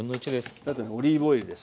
あとオリーブオイルです。